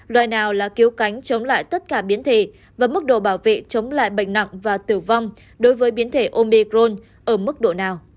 loại nào là cứu cánh chống lại tất cả biến thể và mức độ bảo vệ chống lại bệnh nặng và tử vong đối với biến thể omi grone ở mức độ nào